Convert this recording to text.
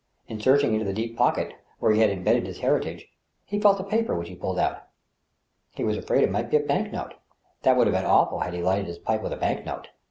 In searching into the deep pocket, where he had imbedded his heritage, he felt a paper which he pulled out. He was afraid it might be a bank note. It would have been awful had he lighted his pipe with a bank note.